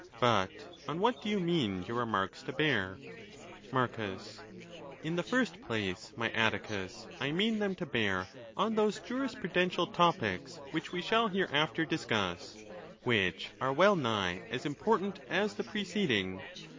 But on what do you mean your remarks to bear ? Marcus.—Iin the first place, my Atticus, I mean them to bear on those jurisprudential topies which we shall hereafter discuss, which are well nigh as important as the preceding.